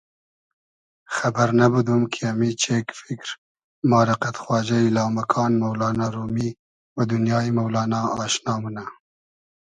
خئبئر نئبودوم کی امی چېگ فیکر ما رۂ قئد خواجۂ یی لامکان مۆلانا رومیؒ و دونیایی مۆلانا آشنا مونۂ